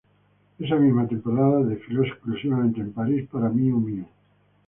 Esa misma temporada, desfiló exclusivamente en París para Miu Miu.